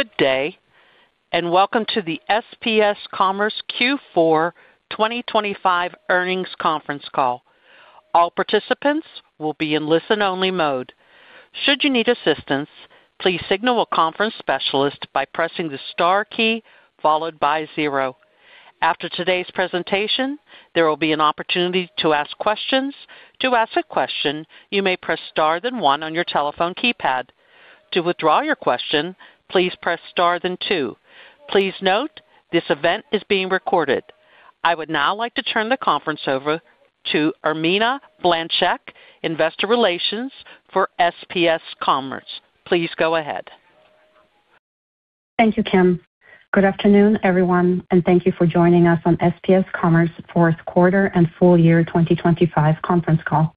Good day, and welcome to the SPS Commerce Q4 2025 Earnings Conference Call. All participants will be in listen-only mode. Should you need assistance, please signal a conference specialist by pressing the star key followed by zero. After today's presentation, there will be an opportunity to ask questions. To ask a question, you may press star then one on your telephone keypad. To withdraw your question, please press star then two. Please note, this event is being recorded. I would now like to turn the conference over to Irmina Blaszczyk, Investor Relations for SPS Commerce. Please go ahead. Thank you, Kim. Good afternoon, everyone, and thank you for joining us on SPS Commerce fourth quarter and full year 2025 conference call.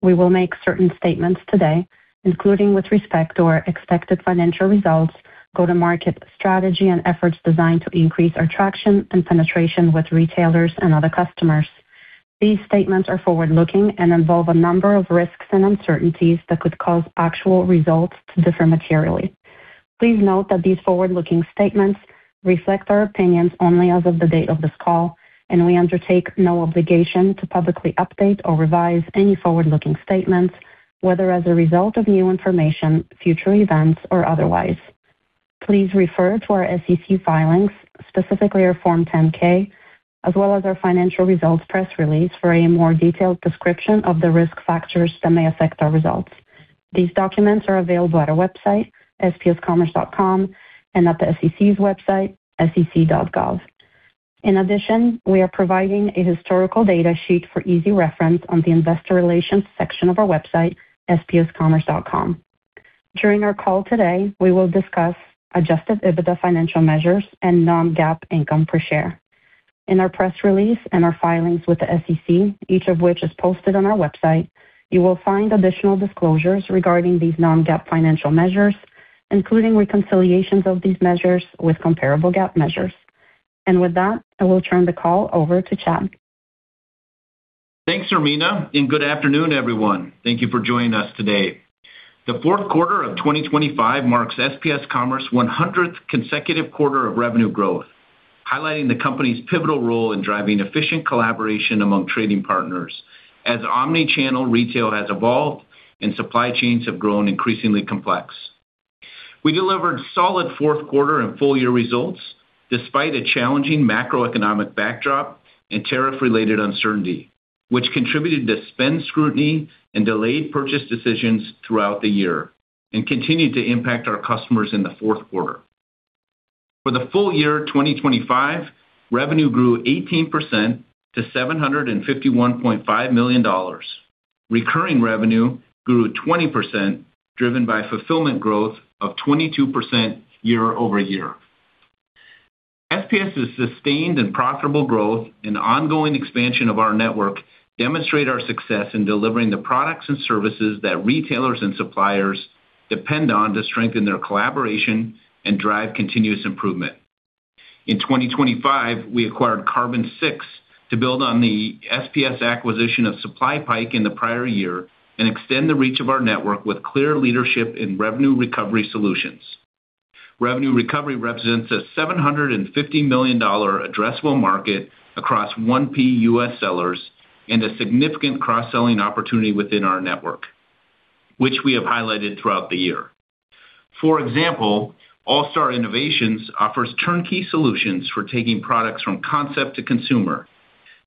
We will make certain statements today, including with respect to our expected financial results, go-to-market strategy, and efforts designed to increase our traction and penetration with retailers and other customers. These statements are forward-looking and involve a number of risks and uncertainties that could cause actual results to differ materially. Please note that these forward-looking statements reflect our opinions only as of the date of this call, and we undertake no obligation to publicly update or revise any forward-looking statements, whether as a result of new information, future events, or otherwise. Please refer to our SEC filings, specifically our Form 10-K, as well as our financial results press release for a more detailed description of the risk factors that may affect our results. These documents are available at our website, spscommerce.com, and at the SEC's website, sec.gov. In addition, we are providing a historical data sheet for easy reference on the investor relations section of our website, spscommerce.com. During our call today, we will discuss Adjusted EBITDA financial measures and non-GAAP income per share. In our press release and our filings with the SEC, each of which is posted on our website, you will find additional disclosures regarding these non-GAAP financial measures, including reconciliations of these measures with comparable GAAP measures. With that, I will turn the call over to Chad. Thanks, Irmina, and good afternoon, everyone. Thank you for joining us today. The fourth quarter of 2025 marks SPS Commerce 100th consecutive quarter of revenue growth, highlighting the company's pivotal role in driving efficient collaboration among trading partners as omni-channel retail has evolved and supply chains have grown increasingly complex. We delivered solid fourth quarter and full year results, despite a challenging macroeconomic backdrop and tariff-related uncertainty, which contributed to spend scrutiny and delayed purchase decisions throughout the year and continued to impact our customers in the fourth quarter. For the full year 2025, revenue grew 18% to $751.5 million. Recurring revenue grew 20%, driven by fulfillment growth of 22% year-over-year. SPS's sustained and profitable growth and ongoing expansion of our network demonstrate our success in delivering the products and services that retailers and suppliers depend on to strengthen their collaboration and drive continuous improvement. In 2025, we acquired Carbon6 to build on the SPS acquisition of SupplyPike in the prior year and extend the reach of our network with clear leadership in revenue recovery solutions. Revenue recovery represents a $750 million addressable market across 1P US sellers and a significant cross-selling opportunity within our network, which we have highlighted throughout the year. For example, Allstar Innovations offers turnkey solutions for taking products from concept to consumer.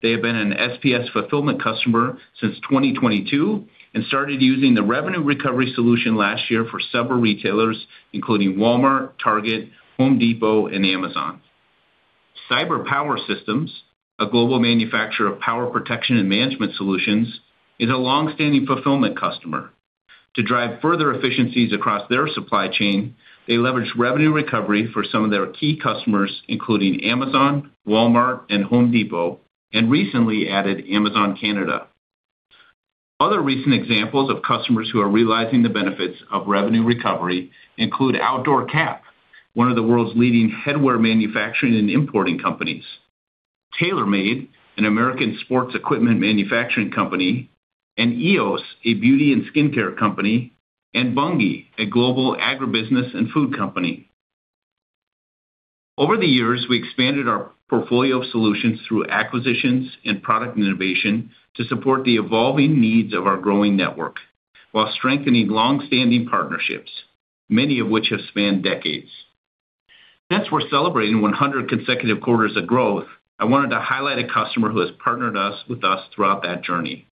They have been an SPS fulfillment customer since 2022 and started using the revenue recovery solution last year for several retailers, including Walmart, Target, Home Depot, and Amazon. CyberPower Systems, a global manufacturer of power protection and management solutions, is a long-standing fulfillment customer. To drive further efficiencies across their supply chain, they leverage revenue recovery for some of their key customers, including Amazon, Walmart, and Home Depot, and recently added Amazon Canada. Other recent examples of customers who are realizing the benefits of revenue recovery include Outdoor Cap, one of the world's leading headwear manufacturing and importing companies, TaylorMade, an American sports equipment manufacturing company, and eos, a beauty and skincare company, and Bunge, a global agribusiness and food company. Over the years, we expanded our portfolio of solutions through acquisitions and product innovation to support the evolving needs of our growing network while strengthening long-standing partnerships, many of which have spanned decades. Since we're celebrating 100 consecutive quarters of growth, I wanted to highlight a customer who has partnered us with us throughout that journey.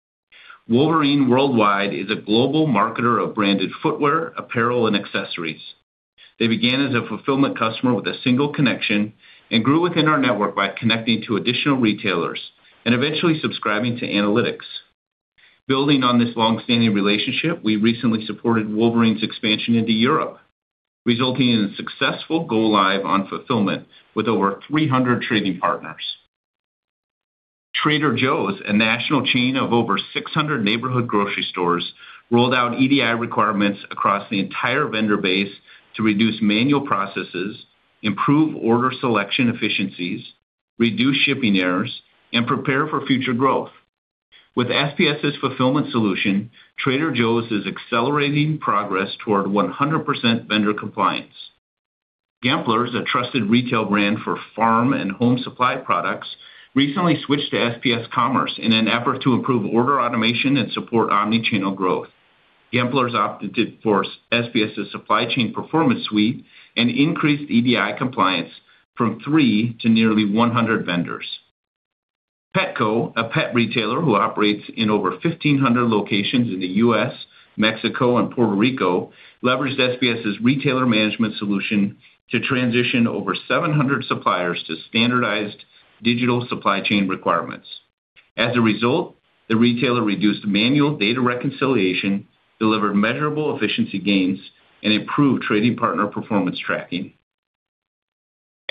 Wolverine Worldwide is a global marketer of branded footwear, apparel, and accessories. They began as a fulfillment customer with a single connection and grew within our network by connecting to additional retailers and eventually subscribing to analytics. Building on this long-standing relationship, we recently supported Wolverine's expansion into Europe, resulting in a successful go live on fulfillment with over 300 trading partners. Trader Joe's, a national chain of over 600 neighborhood grocery stores, rolled out EDI requirements across the entire vendor base to reduce manual processes, improve order selection efficiencies, reduce shipping errors, and prepare for future growth. With SPS's fulfillment solution, Trader Joe's is accelerating progress toward 100% vendor compliance. Gempler's, a trusted retail brand for farm and home supply products, recently switched to SPS Commerce in an effort to improve order automation and support omni-channel growth. Gempler's opted to force SPS's supply chain performance suite and increased EDI compliance from 3 to nearly 100 vendors. Petco, a pet retailer who operates in over 1,500 locations in the U.S., Mexico, and Puerto Rico, leveraged SPS's retailer management solution to transition over 700 suppliers to standardized digital supply chain requirements. As a result, the retailer reduced manual data reconciliation, delivered measurable efficiency gains, and improved trading partner performance tracking.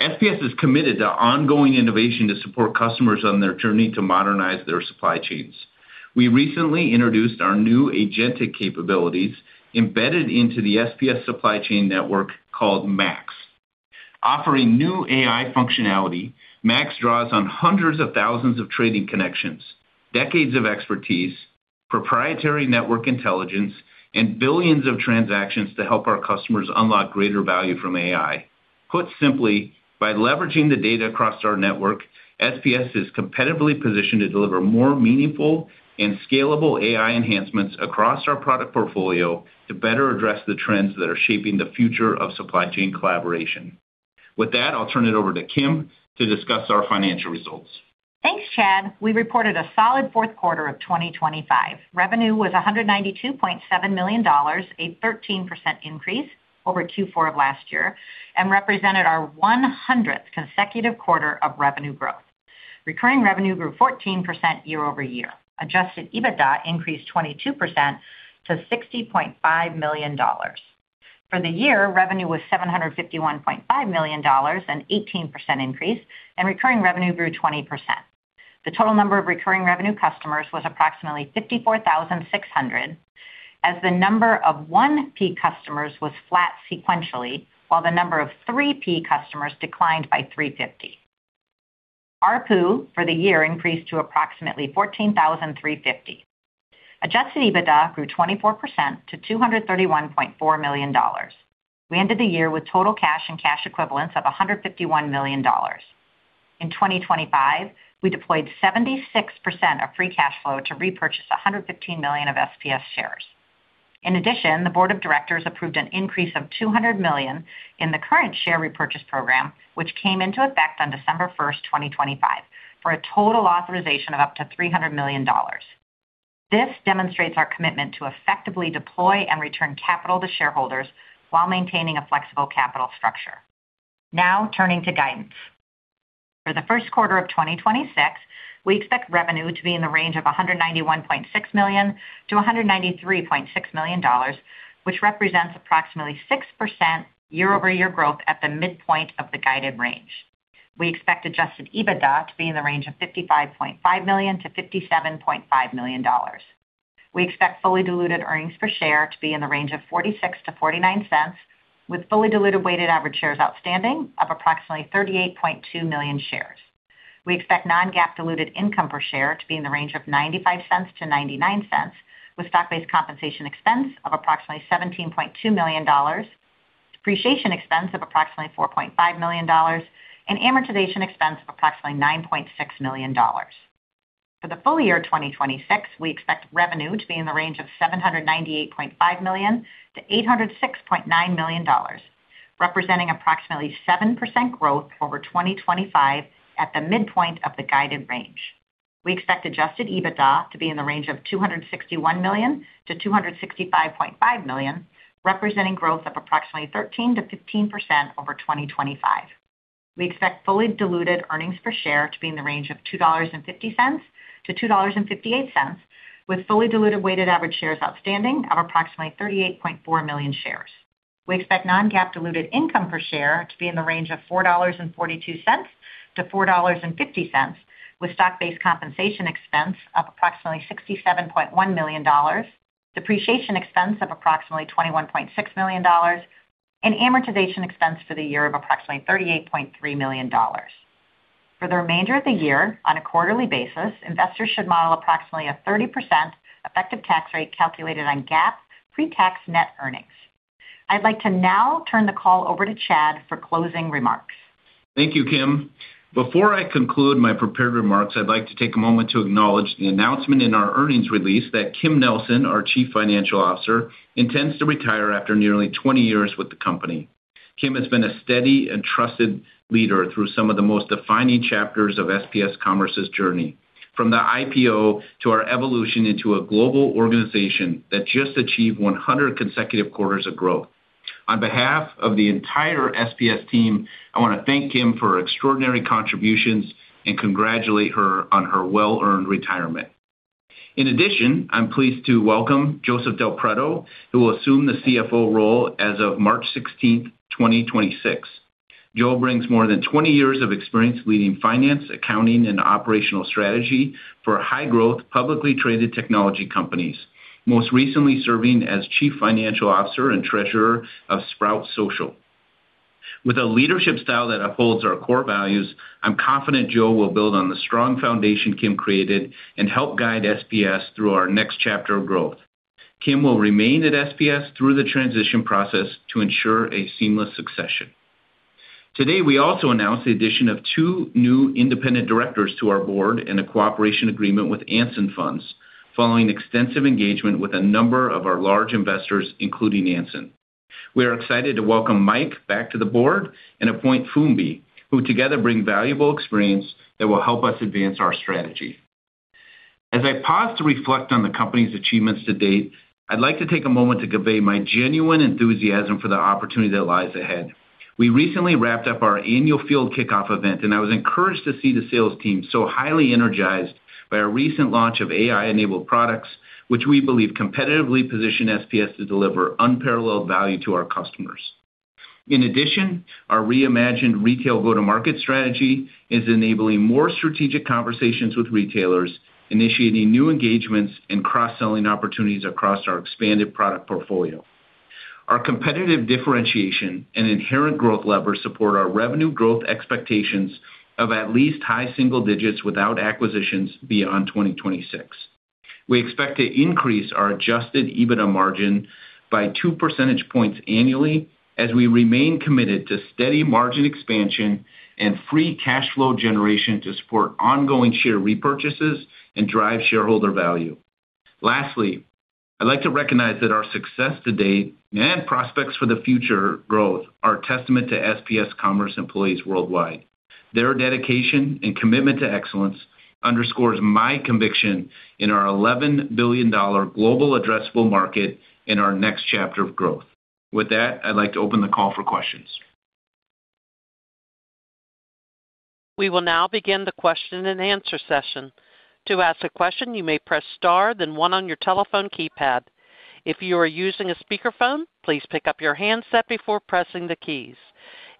SPS is committed to ongoing innovation to support customers on their journey to modernize their supply chains. We recently introduced our new agentic capabilities embedded into the SPS supply chain network called Max. Offering new AI functionality, Max draws on hundreds of thousands of trading connections, decades of expertise, proprietary network intelligence, and billions of transactions to help our customers unlock greater value from AI. Put simply, by leveraging the data across our network, SPS is competitively positioned to deliver more meaningful and scalable AI enhancements across our product portfolio to better address the trends that are shaping the future of supply chain collaboration. With that, I'll turn it over to Kim to discuss our financial results. Thanks, Chad. We reported a solid fourth quarter of 2025. Revenue was $192.7 million, a 13% increase over Q4 of last year, and represented our 100th consecutive quarter of revenue growth. Recurring revenue grew 14% year-over-year. Adjusted EBITDA increased 22% to $60.5 million. For the year, revenue was $751.5 million, an 18% increase, and recurring revenue grew 20%. The total number of recurring revenue customers was approximately 54,600, as the number of 1P customers was flat sequentially, while the number of 3P customers declined by 350. ARPU for the year increased to approximately $14,350. Adjusted EBITDA grew 24% to $231.4 million. We ended the year with total cash and cash equivalents of $151 million. In 2025, we deployed 76% of free cash flow to repurchase $115 million of SPS shares. In addition, the board of directors approved an increase of $200 million in the current share repurchase program, which came into effect on December 1, 2025, for a total authorization of up to $300 million. This demonstrates our commitment to effectively deploy and return capital to shareholders while maintaining a flexible capital structure. Now, turning to guidance. For the first quarter of 2026, we expect revenue to be in the range of $191.6 million-$193.6 million, which represents approximately 6% year-over-year growth at the midpoint of the guided range. We expect adjusted EBITDA to be in the range of $55.5 million-$57.5 million. We expect fully diluted earnings per share to be in the range of $0.46-$0.49, with fully diluted weighted average shares outstanding of approximately 38.2 million shares. We expect non-GAAP diluted income per share to be in the range of $0.95-$0.99, with stock-based compensation expense of approximately $17.2 million, depreciation expense of approximately $4.5 million, and amortization expense of approximately $9.6 million. For the full year of 2026, we expect revenue to be in the range of $798.5 million-$806.9 million, representing approximately 7% growth over 2025 at the midpoint of the guided range. We expect Adjusted EBITDA to be in the range of $261 million-$265.5 million, representing growth of approximately 13%-15% over 2025. We expect fully diluted earnings per share to be in the range of $2.50-$2.58, with fully diluted weighted average shares outstanding of approximately 38.4 million shares. We expect non-GAAP diluted income per share to be in the range of $4.42-$4.50, with stock-based compensation expense of approximately $67.1 million, depreciation expense of approximately $21.6 million, and amortization expense for the year of approximately $38.3 million. For the remainder of the year, on a quarterly basis, investors should model approximately a 30% effective tax rate calculated on GAAP pre-tax net earnings. I'd like to now turn the call over to Chad for closing remarks. Thank you, Kim. Before I conclude my prepared remarks, I'd like to take a moment to acknowledge the announcement in our earnings release that Kim Nelson, our Chief Financial Officer, intends to retire after nearly 20 years with the company. Kim has been a steady and trusted leader through some of the most defining chapters of SPS Commerce's journey, from the IPO to our evolution into a global organization that just achieved 100 consecutive quarters of growth. On behalf of the entire SPS team, I want to thank Kim for her extraordinary contributions and congratulate her on her well-earned retirement. In addition, I'm pleased to welcome Joseph Del Preto, who will assume the CFO role as of March 16, 2026. Joe brings more than 20 years of experience leading finance, accounting, and operational strategy for high-growth, publicly traded technology companies, most recently serving as Chief Financial Officer and Treasurer of Sprout Social. With a leadership style that upholds our core values, I'm confident Joe will build on the strong foundation Kim created and help guide SPS through our next chapter of growth. Kim will remain at SPS through the transition process to ensure a seamless succession. Today, we also announced the addition of 2 new independent directors to our board and a cooperation agreement with Anson Funds, following extensive engagement with a number of our large investors, including Anson. We are excited to welcome Mike back to the board and appoint Fumbi, who together bring valuable experience that will help us advance our strategy. As I pause to reflect on the company's achievements to date, I'd like to take a moment to convey my genuine enthusiasm for the opportunity that lies ahead. We recently wrapped up our annual field kickoff event, and I was encouraged to see the sales team so highly energized by our recent launch of AI-enabled products, which we believe competitively position SPS to deliver unparalleled value to our customers. In addition, our reimagined retail go-to-market strategy is enabling more strategic conversations with retailers, initiating new engagements and cross-selling opportunities across our expanded product portfolio. Our competitive differentiation and inherent growth levers support our revenue growth expectations of at least high single digits without acquisitions beyond 2026. We expect to increase our Adjusted EBITDA margin by 2% points annually as we remain committed to steady margin expansion and free cash flow generation to support ongoing share repurchases and drive shareholder value. Lastly, I'd like to recognize that our success to date and prospects for the future growth are a testament to SPS Commerce employees worldwide. Their dedication and commitment to excellence underscores my conviction in our $11 billion global addressable market in our next chapter of growth. With that, I'd like to open the call for questions. We will now begin the question-and-answer session. To ask a question, you may press star, then one on your telephone keypad. If you are using a speakerphone, please pick up your handset before pressing the keys.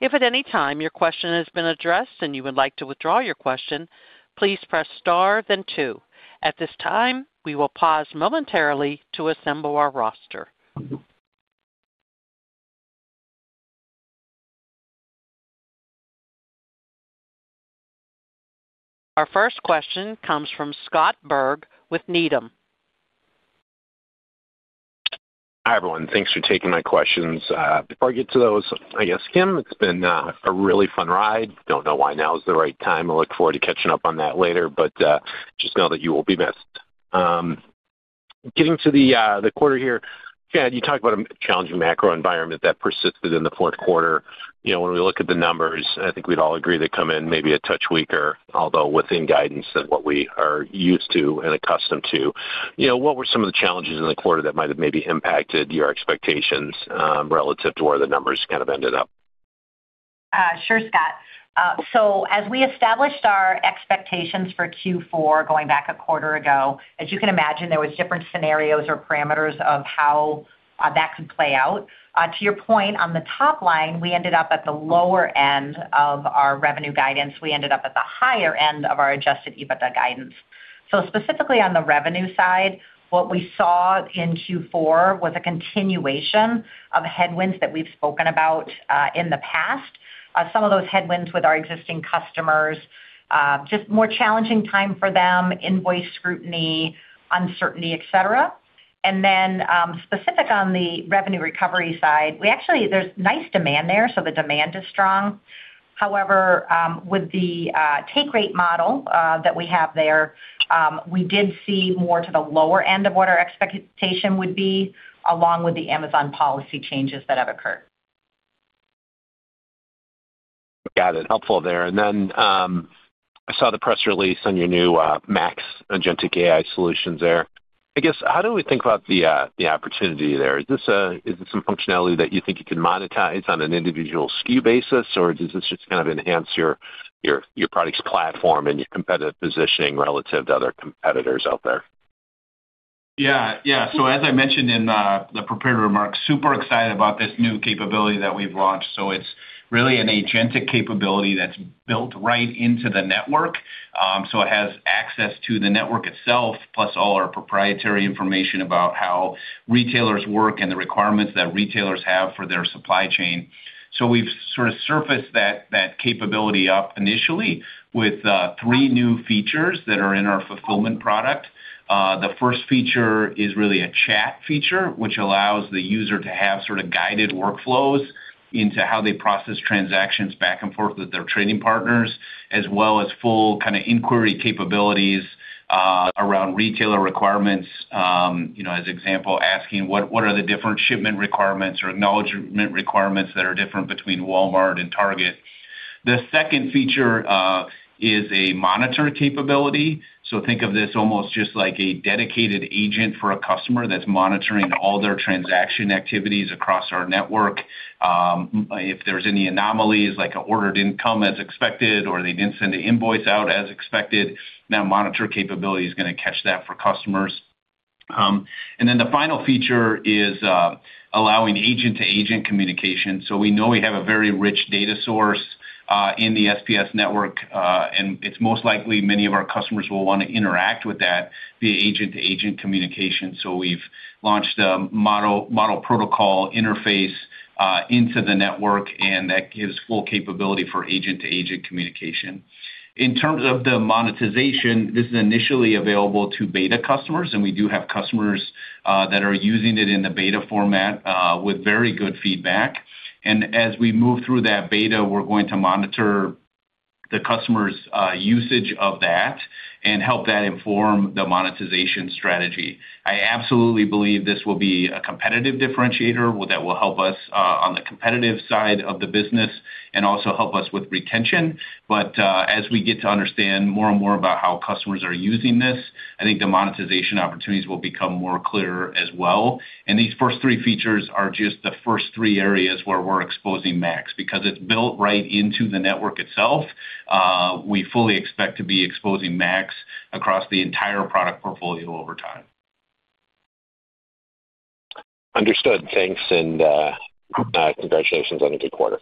If at any time your question has been addressed and you would like to withdraw your question, please press star then two. At this time, we will pause momentarily to assemble our roster. Our first question comes from Scott Berg with Needham. Hi, everyone. Thanks for taking my questions. Before I get to those, I guess, Kim, it's been a really fun ride. Don't know why now is the right time. I look forward to catching up on that later, but just know that you will be missed. Getting to the quarter here, yeah, you talk about a challenging macro environment that persisted in the fourth quarter. You know, when we look at the numbers, I think we'd all agree they come in maybe a touch weaker, although within guidance than what we are used to and accustomed to. You know, what were some of the challenges in the quarter that might have maybe impacted your expectations, relative to where the numbers kind of ended up? Sure, Scott. So as we established our expectations for Q4, going back a quarter ago, as you can imagine, there was different scenarios or parameters of how that could play out. To your point, on the top line, we ended up at the lower end of our revenue guidance. We ended up at the higher end of our Adjusted EBITDA guidance. So specifically on the revenue side, what we saw in Q4 was a continuation of headwinds that we've spoken about in the past. Some of those headwinds with our existing customers just more challenging time for them, invoice scrutiny, uncertainty, et cetera. And then, specific on the revenue recovery side, we actually, there's nice demand there, so the demand is strong. However, with the take rate model that we have there, we did see more to the lower end of what our expectation would be, along with the Amazon policy changes that have occurred. Got it. Helpful there. And then, I saw the press release on your new Max agentic AI solutions there. I guess, how do we think about the opportunity there? Is this some functionality that you think you can monetize on an individual SKU basis, or does this just kind of enhance your products platform and your competitive positioning relative to other competitors out there? Yeah. Yeah. So as I mentioned in the prepared remarks, super excited about this new capability that we've launched. So it's really an agentic capability that's built right into the network. So it has access to the network itself, plus all our proprietary information about how retailers work and the requirements that retailers have for their supply chain. So we've sort of surfaced that, that capability up initially with three new features that are in our fulfillment product. The first feature is really a chat feature, which allows the user to have sort of guided workflows into how they process transactions back and forth with their trading partners, as well as full kind of inquiry capabilities around retailer requirements. You know, as example, asking what, what are the different shipment requirements or acknowledgment requirements that are different between Walmart and Target? The second feature is a monitor capability. So think of this almost just like a dedicated agent for a customer that's monitoring all their transaction activities across our network. If there's any anomalies, like an order didn't come as expected or they didn't send an invoice out as expected, that monitor capability is gonna catch that for customers. And then the final feature is allowing agent-to-agent communication. So we know we have a very rich data source in the SPS network, and it's most likely many of our customers will want to interact with that via agent-to-agent communication. So we've launched a Model Context Protocol interface into the network, and that gives full capability for agent-to-agent communication. In terms of the monetization, this is initially available to beta customers, and we do have customers that are using it in the beta format with very good feedback. And as we move through that beta, we're going to monitor the customer's usage of that and help that inform the monetization strategy. I absolutely believe this will be a competitive differentiator, well, that will help us on the competitive side of the business and also help us with retention. But as we get to understand more and more about how customers are using this, I think the monetization opportunities will become more clearer as well. And these first three features are just the first three areas where we're exposing Max. Because it's built right into the network itself, we fully expect to be exposing Max across the entire product portfolio over time. Understood. Thanks, and congratulations on a good quarter.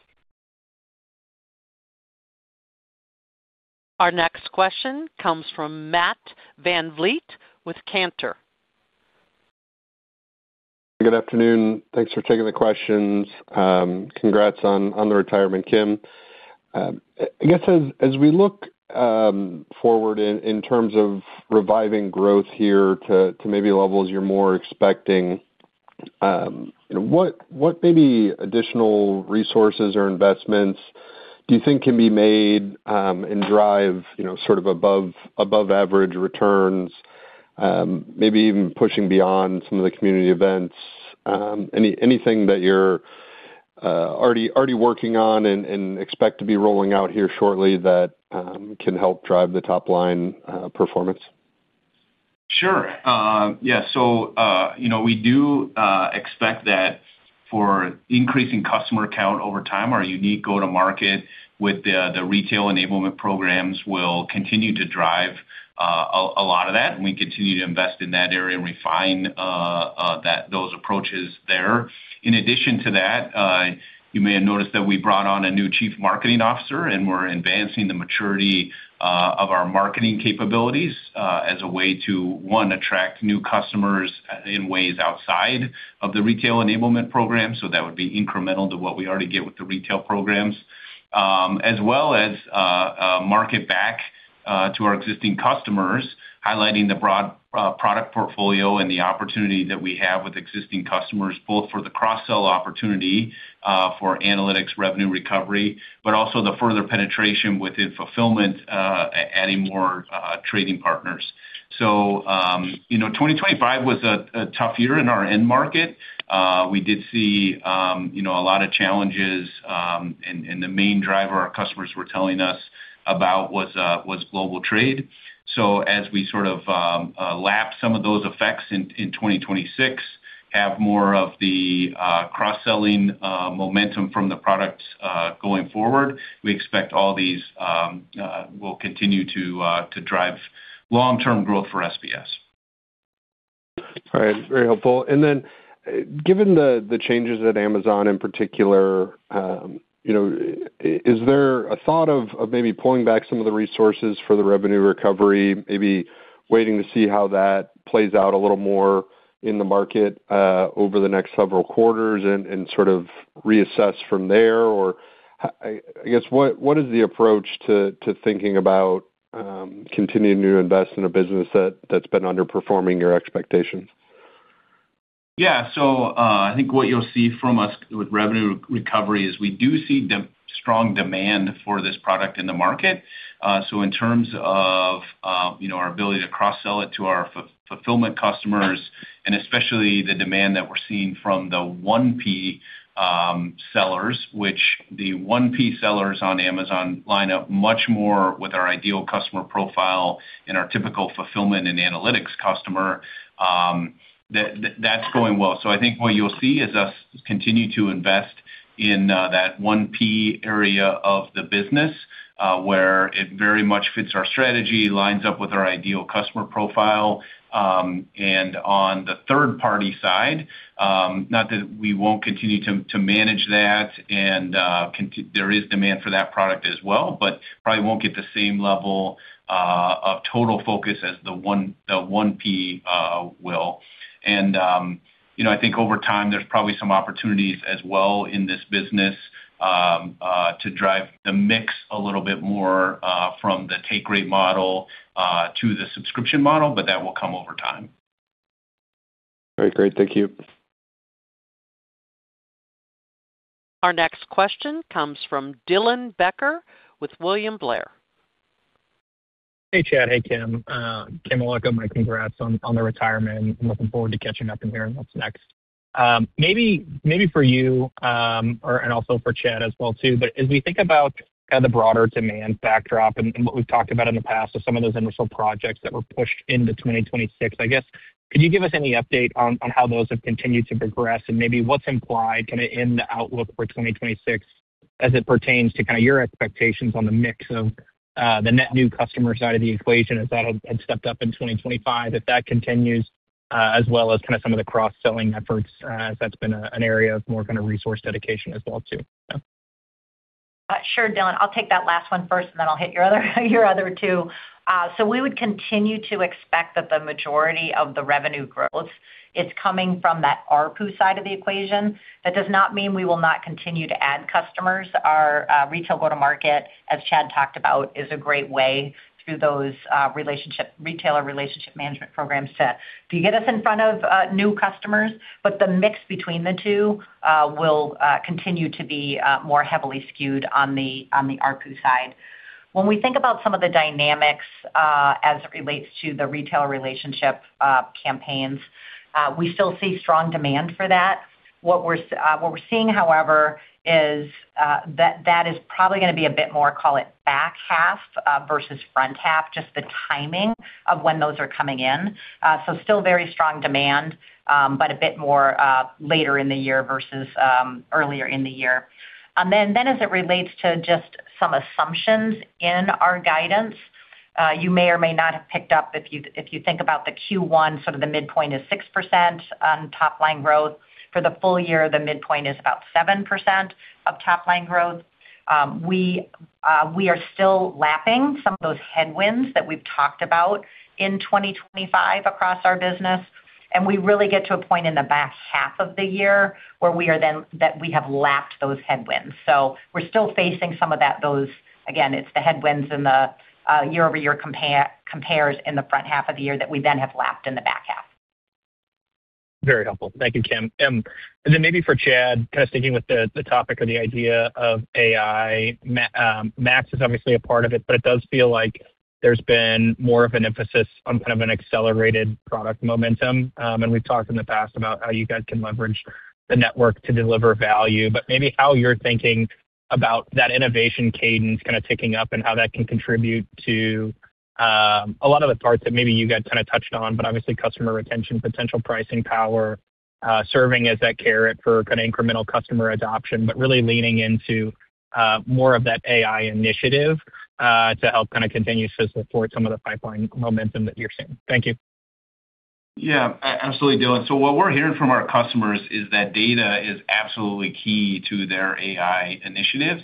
Our next question comes from Matt Van Vliet with Cantor. Good afternoon. Thanks for taking the questions. Congrats on the retirement, Kim. I guess as we look forward in terms of reviving growth here to maybe levels you're more expecting, what maybe additional resources or investments do you think can be made and drive, you know, sort of above average returns, maybe even pushing beyond some of the community events? Anything that you're already working on and expect to be rolling out here shortly that can help drive the top line performance? Sure. Yeah. So, you know, we do expect that for increasing customer count over time, our unique go-to-market with the retail enablement programs will continue to drive a lot of that, and we continue to invest in that area and refine those approaches there. In addition to that, you may have noticed that we brought on a new chief marketing officer, and we're advancing the maturity of our marketing capabilities as a way to, one, attract new customers in ways outside of the retail enablement program. So that would be incremental to what we already get with the retail programs. As well as market back to our existing customers, highlighting the broad product portfolio and the opportunity that we have with existing customers, both for the cross-sell opportunity for analytics revenue recovery, but also the further penetration within fulfillment, adding more trading partners. So, you know, 2025 was a tough year in our end market. We did see, you know, a lot of challenges, and the main driver our customers were telling us about was global trade. So as we sort of lap some of those effects in 2026, have more of the cross-selling momentum from the products going forward, we expect all these will continue to drive long-term growth for SPS. All right. Very helpful. And then, given the changes at Amazon in particular, you know, is there a thought of maybe pulling back some of the resources for the revenue recovery, maybe waiting to see how that plays out a little more in the market, over the next several quarters and sort of reassess from there? Or I guess, what is the approach to thinking about continuing to invest in a business that's been underperforming your expectations? Yeah. So, I think what you'll see from us with revenue recovery is we do see strong demand for this product in the market. So in terms of, you know, our ability to cross-sell it to our fulfillment customers, and especially the demand that we're seeing from the 1P sellers, which the 1P sellers on Amazon line up much more with our ideal customer profile and our typical fulfillment and analytics customer, that's going well. So I think what you'll see is us continue to invest in that 1P area of the business, where it very much fits our strategy, lines up with our ideal customer profile. And on the third-party side, not that we won't continue to manage that and there is demand for that product as well, but probably won't get the same level of total focus as the 1P will. And, you know, I think over time, there's probably some opportunities as well in this business to drive the mix a little bit more from the take rate model to the subscription model, but that will come over time. All right, great. Thank you. Our next question comes from Dylan Becker with William Blair. Hey, Chad. Hey, Kim. Kim, I want to go my congrats on, on the retirement. I'm looking forward to catching up and hearing what's next. Maybe, maybe for you, or and also for Chad as well, too, but as we think about kind of the broader demand backdrop and what we've talked about in the past of some of those initial projects that were pushed into 2026, I guess, could you give us any update on how those have continued to progress? And maybe what's implied kinda in the outlook for 2026 as it pertains to kind of your expectations on the mix of the net new customer side of the equation, as that had stepped up in 2025, if that continues—as well as kind of some of the cross-selling efforts, as that's been a, an area of more kind of resource dedication as well, too? Yeah. Sure, Dylan, I'll take that last one first, and then I'll hit your other, your other two. So we would continue to expect that the majority of the revenue growth is coming from that ARPU side of the equation. That does not mean we will not continue to add customers. Our retail go-to-market, as Chad talked about, is a great way through those retailer Relationship Management programs to get us in front of new customers. But the mix between the two will continue to be more heavily skewed on the ARPU side. When we think about some of the dynamics as it relates to the retailer relationship campaigns, we still see strong demand for that. What we're seeing, however, is that that is probably gonna be a bit more, call it, back half versus front half, just the timing of when those are coming in. So still very strong demand, but a bit more later in the year versus earlier in the year. And then, as it relates to just some assumptions in our guidance, you may or may not have picked up if you think about the Q1, sort of the midpoint is 6% on top-line growth. For the full year, the midpoint is about 7% of top-line growth. We are still lapping some of those headwinds that we've talked about in 2025 across our business, and we really get to a point in the back half of the year where we are then that we have lapped those headwinds. So we're still facing some of that, those. Again, it's the headwinds in the year-over-year comparisons in the front half of the year that we then have lapped in the back half. Very helpful. Thank you, Kim. And then maybe for Chad, kind of sticking with the, the topic or the idea of AI. Max is obviously a part of it, but it does feel like there's been more of an emphasis on kind of an accelerated product momentum. And we've talked in the past about how you guys can leverage the network to deliver value, but maybe how you're thinking about that innovation cadence kind of ticking up and how that can contribute to, a lot of the parts that maybe you guys kind of touched on, but obviously customer retention, potential pricing power, serving as that carrot for kind of incremental customer adoption, but really leaning into, more of that AI initiative, to help kind of continue to support some of the pipeline momentum that you're seeing. Thank you. Yeah, absolutely, Dylan. So what we're hearing from our customers is that data is absolutely key to their AI initiatives,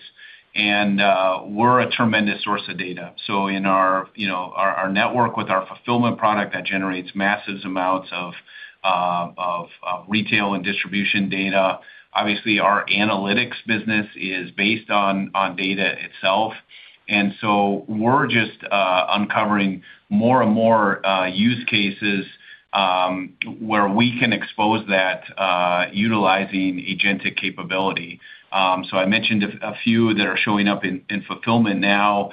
and we're a tremendous source of data. So in our, you know, our network with our fulfillment product, that generates massive amounts of retail and distribution data. Obviously, our analytics business is based on data itself, and so we're just uncovering more and more use cases where we can expose that utilizing agentic capability. So I mentioned a few that are showing up in fulfillment now.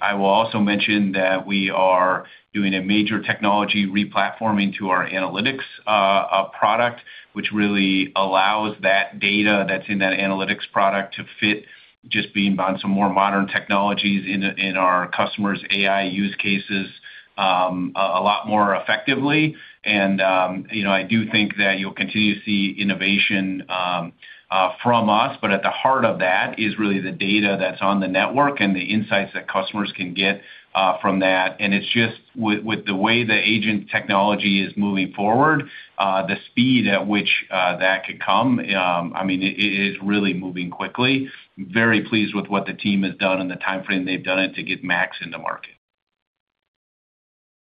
I will also mention that we are doing a major technology replatforming to our Analytics product, which really allows that data that's in that Analytics product to fit, just being on some more modern technologies in our customers' AI use cases a lot more effectively. And, you know, I do think that you'll continue to see innovation from us, but at the heart of that is really the data that's on the network and the insights that customers can get from that. And it's just with the way the agent technology is moving forward, the speed at which that could come, I mean, it is really moving quickly. Very pleased with what the team has done and the timeframe they've done it to get Max in the market.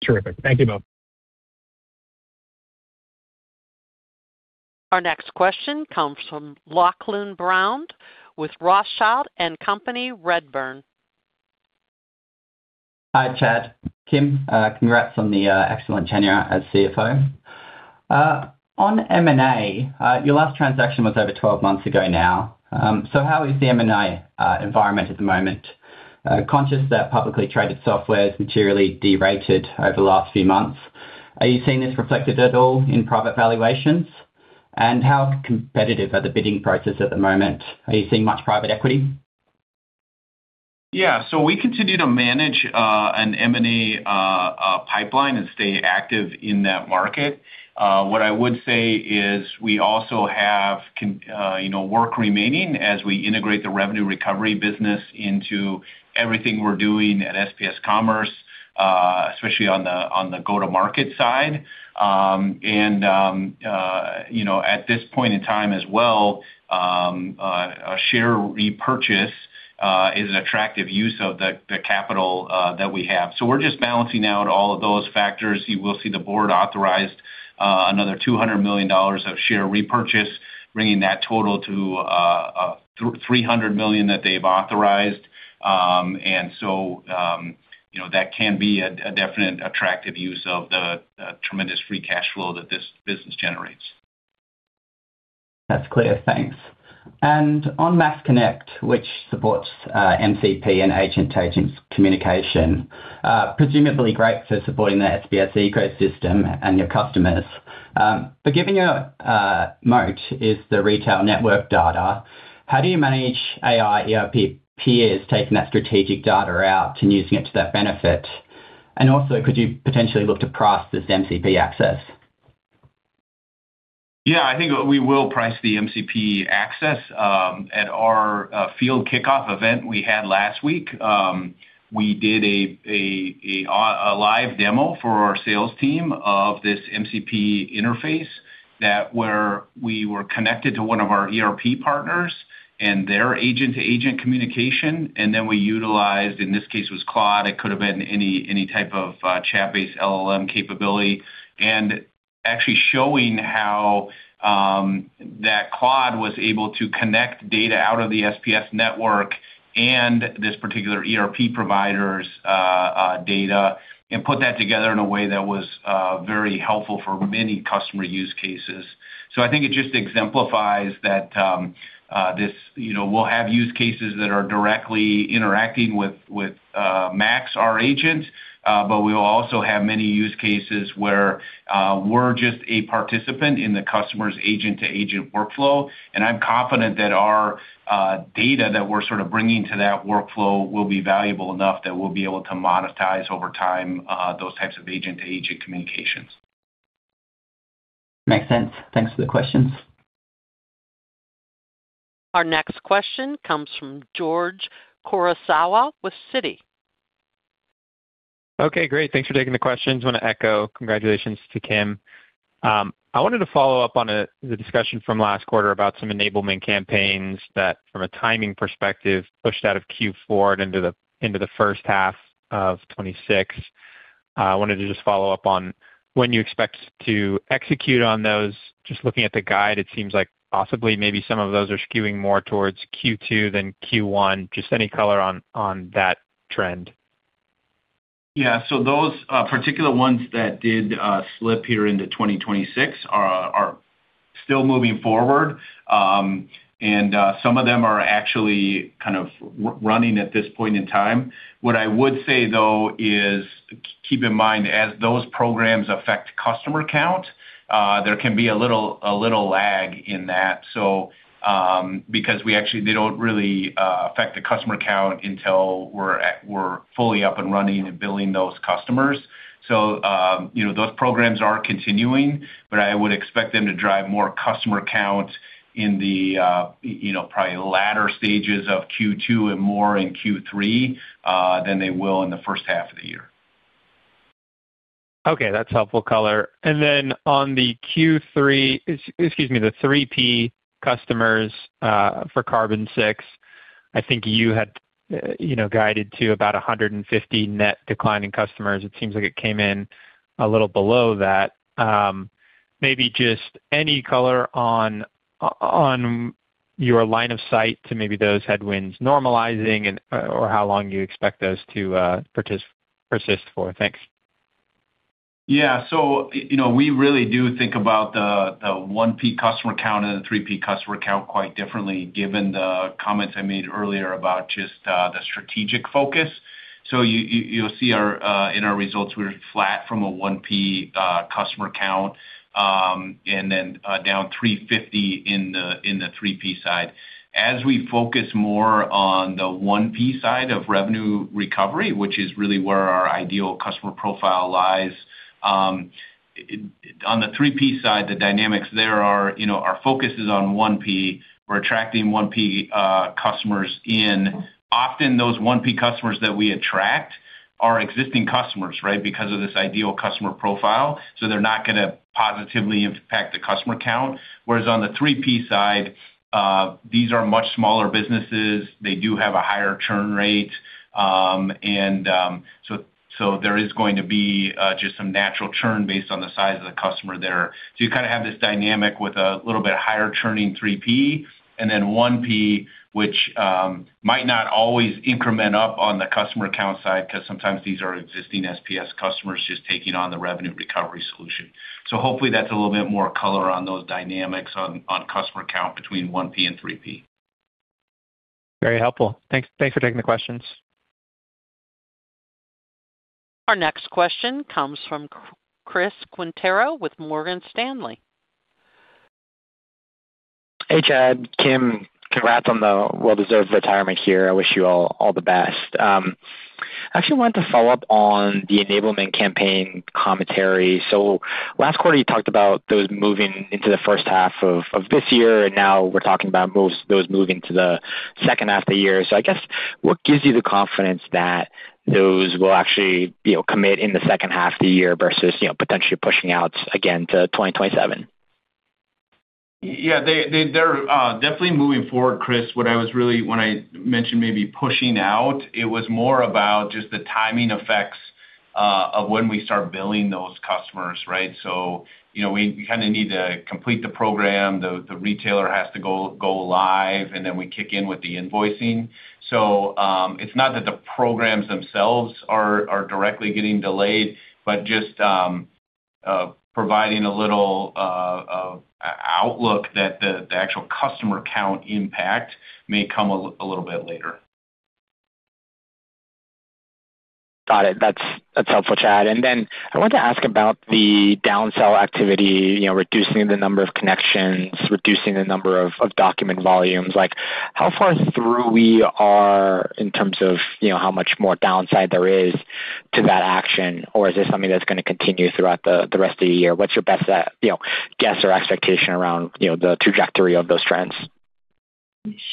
Terrific. Thank you, both. Our next question comes from Lachlan Brown with Rothschild and Company, Redburn. Hi, Chad, Kim. Congrats on the excellent tenure as CFO. On M&A, your last transaction was over 12 months ago now. So how is the M&A environment at the moment? Conscious that publicly traded software is materially derated over the last few months, are you seeing this reflected at all in private valuations? And how competitive are the bidding prices at the moment? Are you seeing much private equity? Yeah, so we continue to manage an M&A pipeline and stay active in that market. What I would say is we also have, you know, work remaining as we integrate the revenue recovery business into everything we're doing at SPS Commerce, especially on the go-to-market side. And you know, at this point in time as well, a share repurchase is an attractive use of the capital that we have. So we're just balancing out all of those factors. You will see the board authorized another $200 million of share repurchase, bringing that total to $300 million that they've authorized. And so you know, that can be a definite attractive use of the tremendous free cash flow that this business generates. That's clear. Thanks. And on Max Connect, which supports MCP and agent-to-agent communication, presumably great for supporting the SPS ecosystem and your customers. But giving you a moat is the retail network data. How do you manage AI ERP peers taking that strategic data out and using it to their benefit? And also, could you potentially look to price this MCP access? Yeah, I think we will price the MCP access. At our field kickoff event we had last week, we did a live demo for our sales team of this MCP interface that where we were connected to one of our ERP partners and their agent-to-agent communication, and then we utilized, in this case, was Claude. It could have been any type of chat-based LLM capability. And actually showing how that Claude was able to connect data out of the SPS network and this particular ERP provider's data, and put that together in a way that was very helpful for many customer use cases. So I think it just exemplifies that, you know, we'll have use cases that are directly interacting with Max, our agent, but we'll also have many use cases where we're just a participant in the customer's agent-to-agent workflow. And I'm confident that our data that we're sort of bringing to that workflow will be valuable enough that we'll be able to monetize over time those types of agent-to-agent communications. Makes sense. Thanks for the questions. Our next question comes from George Kurosawa with Citi. Okay, great. Thanks for taking the questions. I want to echo congratulations to Kim. I wanted to follow up on the discussion from last quarter about some enablement campaigns that, from a timing perspective, pushed out of Q4 and into the first half of 2026. I wanted to just follow up on when you expect to execute on those. Just looking at the guide, it seems like possibly maybe some of those are skewing more towards Q2 than Q1. Just any color on that trend? Yeah. So those particular ones that did slip here into 2026 are still moving forward, and some of them are actually kind of running at this point in time. What I would say, though, is keep in mind, as those programs affect customer count, there can be a little, a little lag in that. So, because we actually—they don't really affect the customer count until we're fully up and running and billing those customers. So, you know, those programs are continuing, but I would expect them to drive more customer count in the, you know, probably latter stages of Q2 and more in Q3, than they will in the first half of the year. Okay. That's helpful color. And then on the Q3, excuse me, the 3P customers, for Carbon6, I think you had, you know, guided to about 150 net decline in customers. It seems like it came in a little below that. Maybe just any color on, on your line of sight to maybe those headwinds normalizing and, or how long you expect those to, persist for? Thanks. Yeah. So, you know, we really do think about the 1P customer count and the 3P customer count quite differently, given the comments I made earlier about just the strategic focus. So you, you'll see our in our results, we're flat from a 1P customer count, and then down 350 in the 3P side. As we focus more on the 1P side of revenue recovery, which is really where our ideal customer profile lies, on the 3P side, the dynamics there are, you know, our focus is on 1P. We're attracting 1P customers in. Often, those 1P customers that we attract are existing customers, right? Because of this ideal customer profile, so they're not gonna positively impact the customer count, whereas on the 3P side, these are much smaller businesses. They do have a higher churn rate, and so there is going to be just some natural churn based on the size of the customer there. So you kind of have this dynamic with a little bit higher churning 3P, and then 1P, which might not always increment up on the customer count side, because sometimes these are existing SPS customers just taking on the revenue recovery solution. So hopefully, that's a little bit more color on those dynamics on customer count between 1P and 3P. Very helpful. Thanks, thanks for taking the questions. Our next question comes from Chris Quintero with Morgan Stanley. Hey, Chad, Kim, congrats on the well-deserved retirement here. I wish you all, all the best. I actually wanted to follow up on the enablement campaign commentary. So last quarter, you talked about those moving into the first half of this year, and now we're talking about most of those moving to the second half of the year. So I guess, what gives you the confidence that those will actually, you know, commit in the second half of the year versus, you know, potentially pushing out again to 2027? Yeah, they're definitely moving forward, Chris. What I was really—when I mentioned maybe pushing out, it was more about just the timing effects of when we start billing those customers, right? So, you know, we kind of need to complete the program, the retailer has to go live, and then we kick in with the invoicing. So, it's not that the programs themselves are directly getting delayed, but just providing a little outlook that the actual customer count impact may come a little bit later. Got it. That's, that's helpful, Chad. And then I wanted to ask about the downsell activity, you know, reducing the number of connections, reducing the number of, of document volumes. Like, how far through we are in terms of, you know, how much more downside there is to that action, or is this something that's gonna continue throughout the, the rest of the year? What's your best, you know, guess or expectation around, you know, the trajectory of those trends?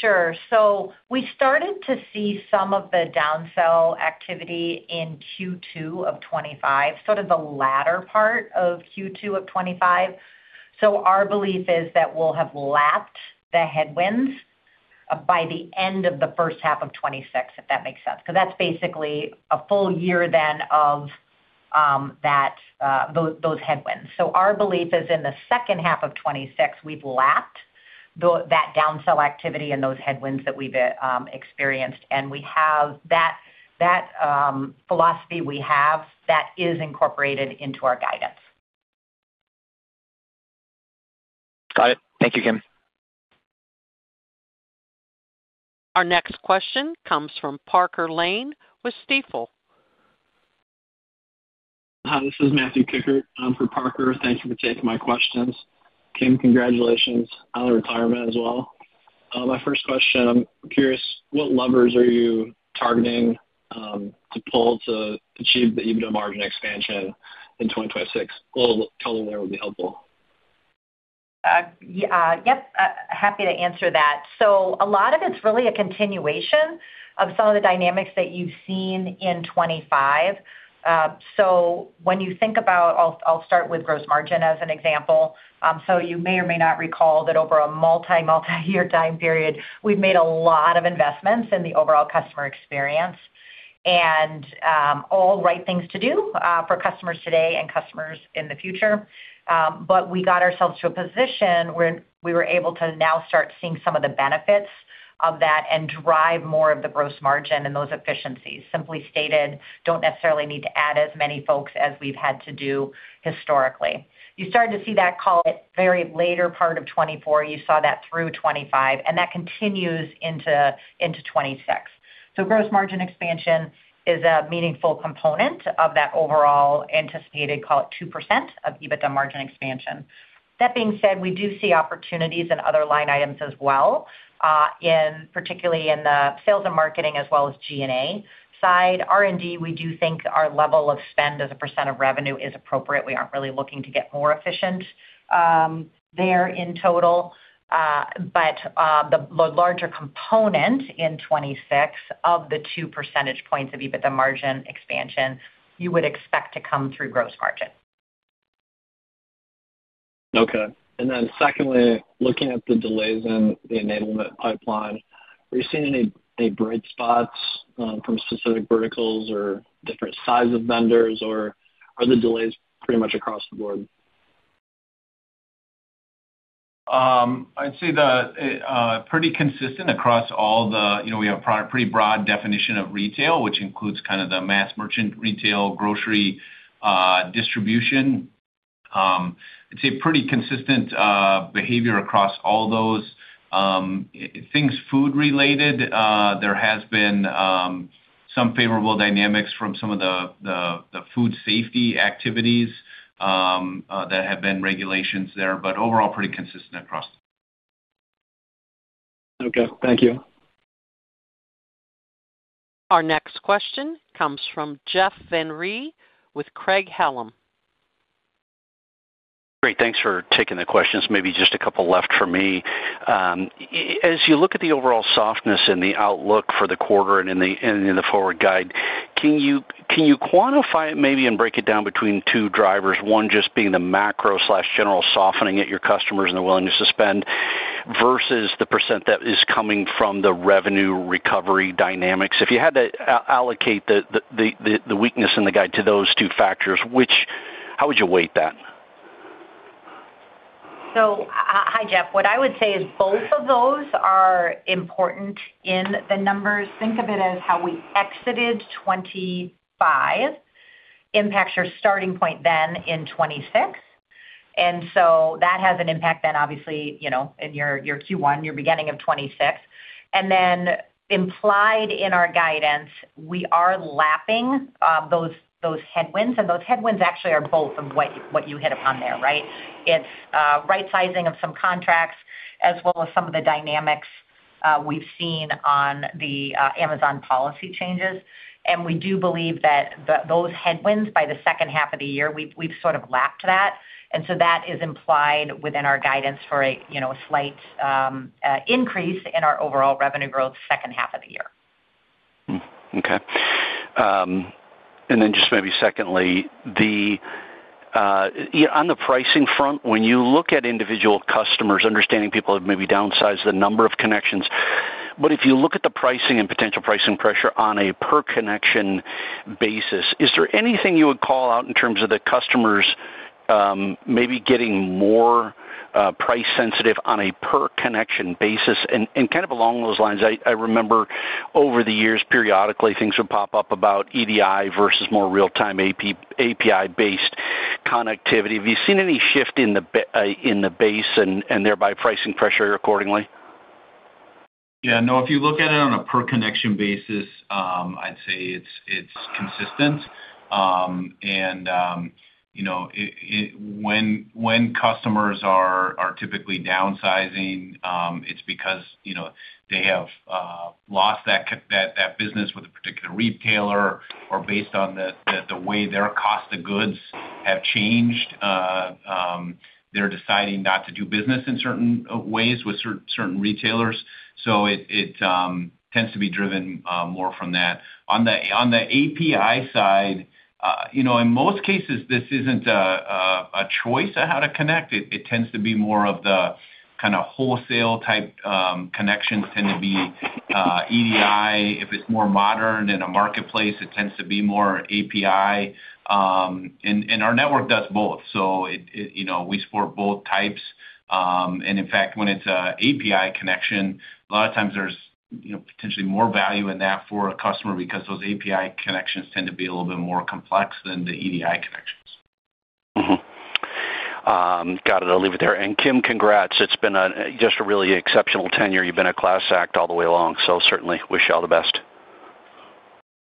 Sure. So we started to see some of the downsell activity in Q2 of 2025, sort of the latter part of Q2 of 2025. So our belief is that we'll have lapped the headwinds by the end of the first half of 2026, if that makes sense, because that's basically a full year then of that those headwinds. So our belief is in the second half of 2026, we've lapped that downsell activity and those headwinds that we've experienced, and we have that philosophy we have, that is incorporated into our guidance. Got it. Thank you, Kim. Our next question comes from Parker Lane with Stifel. Hi, this is Matthew Kikkert, I'm for Parker. Thank you for taking my questions. Kim, congratulations on the retirement as well. My first question, I'm curious, what levers are you targeting, to pull to achieve the EBITDA margin expansion in 2026? A little color there would be helpful. Yes, happy to answer that. So a lot of it's really a continuation of some of the dynamics that you've seen in 2025. So when you think about—I'll start with gross margin as an example. So you may or may not recall that over a multiyear time period, we've made a lot of investments in the overall customer experience, and all right things to do for customers today and customers in the future. But we got ourselves to a position where we were able to now start seeing some of the benefits of that and drive more of the gross margin and those efficiencies. Simply stated, don't necessarily need to add as many folks as we've had to do historically. You started to see that call it very later part of 2024, you saw that through 2025, and that continues into 2026. So gross margin expansion is a meaningful component of that overall anticipated, call it, 2% of EBITDA margin expansion. That being said, we do see opportunities in other line items as well in particularly in the sales and marketing as well as G&A side. R&D, we do think our level of spend as a percent of revenue is appropriate. We aren't really looking to get more efficient there in total. But the larger component in 2026 of the two percentage points of EBITDA margin expansion, you would expect to come through gross margin. Okay. And then secondly, looking at the delays in the enablement pipeline, are you seeing any, any bright spots, from specific verticals or different size of vendors, or are the delays pretty much across the board? I'd say that pretty consistent across all the—you know, we have a pretty broad definition of retail, which includes kind of the mass merchant, retail, grocery, distribution. I'd say pretty consistent behavior across all those things food-related. There has been some favorable dynamics from some of the food safety activities. There have been regulations there, but overall, pretty consistent across. Okay, thank you. Our next question comes from Jeff Van Rhee with Craig-Hallum. Great, thanks for taking the questions. Maybe just a couple left for me. As you look at the overall softness in the outlook for the quarter and in the, and in the forward guide, can you quantify it maybe and break it down between two drivers? One, just being the macro/general softening at your customers and the willingness to spend, versus the percent that is coming from the revenue recovery dynamics. If you had to allocate the weakness in the guide to those two factors, how would you weight that? So, hi, Jeff. What I would say is both of those are important in the numbers. Think of it as how we exited 2025, impacts your starting point then in 2026, and so that has an impact then, obviously, you know, in your Q1, your beginning of 2026. And then implied in our guidance, we are lapping those headwinds, and those headwinds actually are both of what you hit upon there, right? It's right sizing of some contracts, as well as some of the dynamics we've seen on the Amazon policy changes. And we do believe that those headwinds, by the second half of the year, we've sort of lapped that, and so that is implied within our guidance for a, you know, a slight increase in our overall revenue growth second half of the year. Okay. And then just maybe secondly, on the pricing front, when you look at individual customers, understanding people have maybe downsized the number of connections, but if you look at the pricing and potential pricing pressure on a per connection basis, is there anything you would call out in terms of the customers, maybe getting more price sensitive on a per connection basis? And kind of along those lines, I remember over the years, periodically, things would pop up about EDI versus more real-time API-based connectivity. Have you seen any shift in the base and thereby pricing pressure accordingly? Yeah, no, if you look at it on a per connection basis, I'd say it's consistent. And you know, when customers are typically downsizing, it's because, you know, they have lost that business with a particular retailer or based on the way their cost of goods have changed—they're deciding not to do business in certain ways with certain retailers, so it tends to be driven more from that. On the API side, you know, in most cases, this isn't a choice on how to connect. It tends to be more of the kinda wholesale type, connections tend to be EDI. If it's more modern in a marketplace, it tends to be more API. And our network does both, so it you know, we support both types. In fact, when it's an API connection, a lot of times there's you know, potentially more value in that for a customer because those API connections tend to be a little bit more complex than the EDI connections. Mm-hmm. Got it. I'll leave it there. And, Kim, congrats. It's been a just a really exceptional tenure. You've been a class act all the way along, so certainly wish you all the best.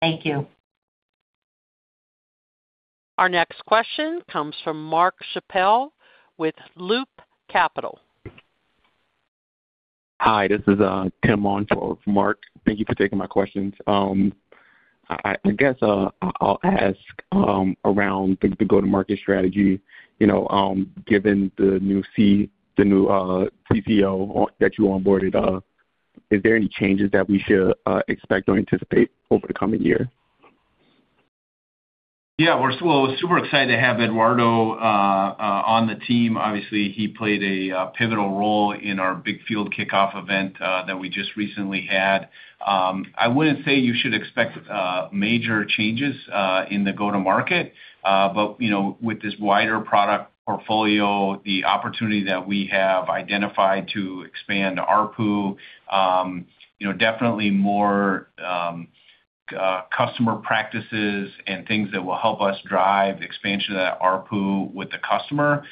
Thank you. Our next question comes from Mark Schappel with Loop Capital. Hi, this is Tim Monto, Mark. Thank you for taking my questions. I guess I'll ask around the go-to-market strategy, you know, given the new CCO on that you onboarded, is there any changes that we should expect or anticipate over the coming year? Yeah, we're super excited to have Eduardo on the team. Obviously, he played a pivotal role in our big field kickoff event that we just recently had. I wouldn't say you should expect major changes in the go-to-market, but, you know, with this wider product portfolio, the opportunity that we have identified to expand ARPU, you know, definitely more customer practices and things that will help us drive expansion of that ARPU with the customer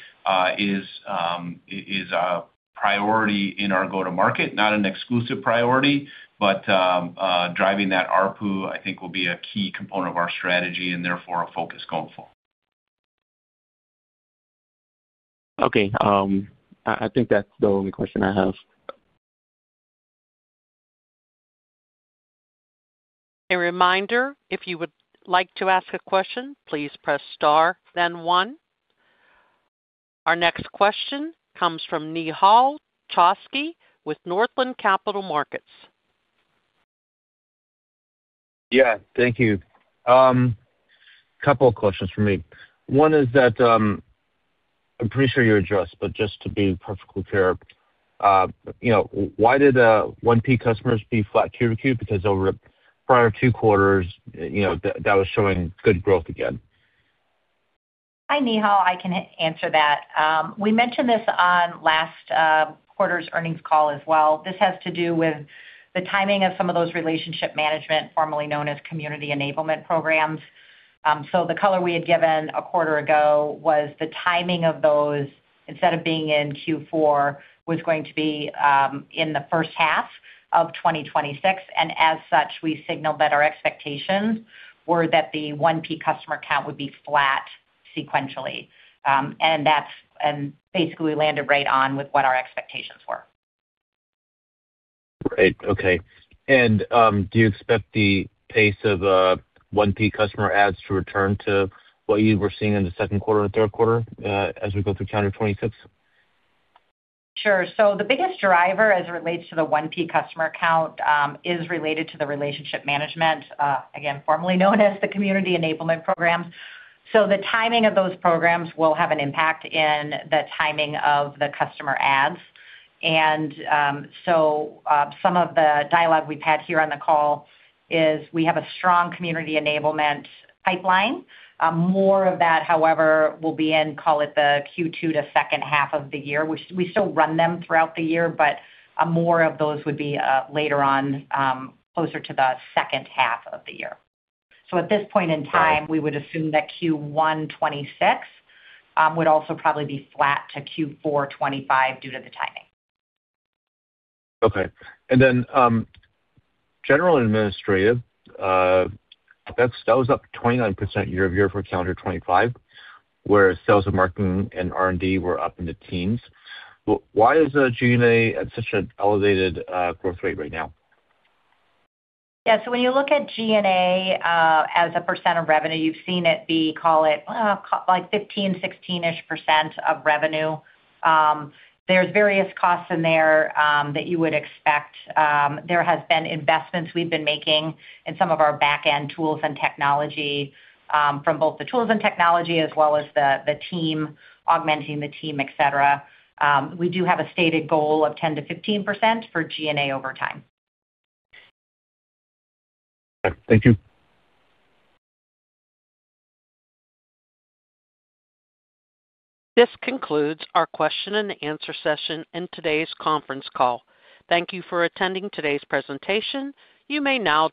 is a priority in our go-to-market. Not an exclusive priority, but driving that ARPU, I think, will be a key component of our strategy and therefore a focus going forward. Okay, I think that's the only question I have. A reminder: if you would like to ask a question, please press star then one. Our next question comes from Nehal Chokshi with Northland Capital Markets. Yeah, thank you. Couple of questions from me. One is that, I'm pretty sure you addressed, but just to be perfectly clear, you know, why did 1P customers be flat Q-Q? Because over the prior two quarters, you know, that was showing good growth again. Hi, Nehal, I can answer that. We mentioned this on last quarter's earnings call as well. This has to do with the timing of some of those relationship management, formerly known as Community Enablement Programs. So the color we had given a quarter ago was the timing of those, instead of being in Q4, was going to be in the first half of 2026, and as such, we signaled that our expectations were that the 1P customer count would be flat sequentially. And that's and basically, we landed right on with what our expectations were. Great. Okay. And, do you expect the pace of 1P customer adds to return to what you were seeing in the second quarter and third quarter, as we go through calendar 2026? Sure. So the biggest driver as it relates to the 1P customer count, is related to the relationship management, again, formerly known as the Community Enablement Program. So the timing of those programs will have an impact in the timing of the customer adds. And, so, some of the dialogue we've had here on the call is we have a strong community enablement pipeline. More of that, however, will be in, call it, the Q2 to second half of the year. We still run them throughout the year, but, more of those would be later on, closer to the second half of the year. So at this point in time, we would assume that Q1 2026 would also probably be flat to Q4 2025 due to the timing. Okay. Then, general and administrative, that was up 29% year-over-year for calendar 2025, where sales and marketing and R&D were up in the teens. Why is G&A at such an elevated growth rate right now? Yeah, so when you look at G&A as a percent of revenue, you've seen it be, call it, like 15%, 16-ish% of revenue. There's various costs in there that you would expect. There has been investments we've been making in some of our back-end tools and technology from both the tools and technology as well as the team, augmenting the team, et cetera. We do have a stated goal of 10%-15% for G&A over time. Thank you. This concludes our question and answer session in today's conference call. Thank you for attending today's presentation. You may now disconnect.